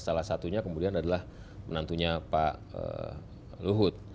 salah satunya kemudian adalah menantunya pak luhut